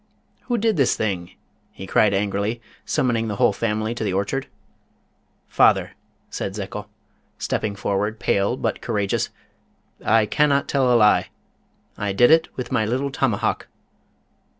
"Who did this thing?" he cried angrily, summoning the whole family to the orchard. "Father," said Zekel, stepping forward, pale, but courageous, "I cannot tell a lie, I did it with my little tomahawk."